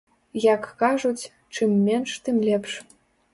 Як кажуць, чым менш, тым лепш!